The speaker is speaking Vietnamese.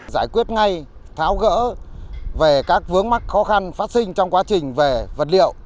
giải quyết ngay tháo gỡ về các vướng mắc khó khăn phát sinh trong quá trình về vật liệu